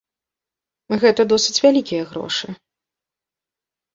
Гэта досыць вялікія грошы.